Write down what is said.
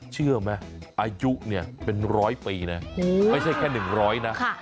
เชื่อไหมอายุเนี่ยเป็นร้อยปีนะโอ้ไม่ใช่แค่หนึ่งร้อยนะค่ะ